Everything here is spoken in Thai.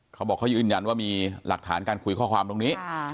เขาบอกเขายืนยันว่ามีหลักฐานการคุยข้อความตรงนี้